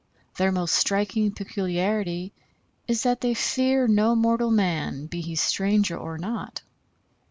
Their most striking peculiarity is that they fear no mortal man, be he stranger or not.